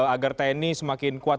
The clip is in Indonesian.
agar tni semakin kuat